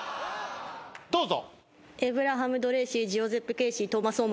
どうぞ。